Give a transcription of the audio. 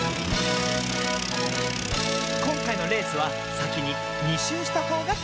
こんかいのレースはさきに２しゅうしたほうがかち。